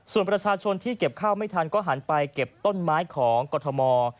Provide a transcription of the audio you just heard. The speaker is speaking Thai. ส่วนประชาชนที่เก็บข้าวไม่ทันก็หันไปเก็บต้นไม้ของกรทม